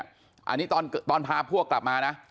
อันนี้ตอนพาพวกกลับมานะ